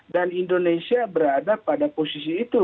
dan indonesia berada pada posisi itu